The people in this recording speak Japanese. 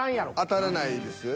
当たらないですよね。